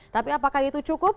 tapi apakah itu cukup